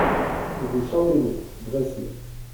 Rue Charles Deneux, Bresles